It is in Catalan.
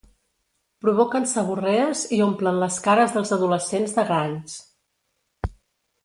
Provoquen seborrees i omplen les cares dels adolescents de grans.